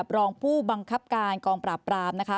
อ่ะน้องดูสิหนักมากเลยนะคะ